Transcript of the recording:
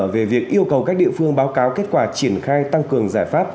về việc yêu cầu các địa phương báo cáo kết quả triển khai tăng cường giải pháp